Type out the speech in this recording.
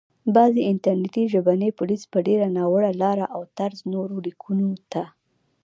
بعضي انټرنټي ژبني پوليس په ډېره ناوړه لاره او طرز نورو ليکونکو ته